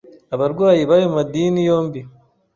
abarwayi b’ayo madini yombi,